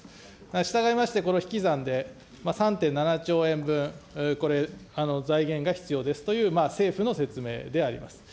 したがいまして、この引き算で、３．７兆円分、これ、財源が必要ですという政府の説明であります。